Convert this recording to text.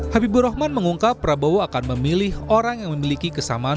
habibur rahman mengungkap prabowo akan memilih orang yang memiliki kesamaan